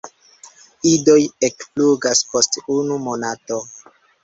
Idoj ekflugas post unu monato.